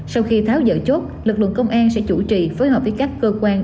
sau khi tháo dỡ chốt lực lượng công an sẽ chủ trì phối hợp với các cơ quan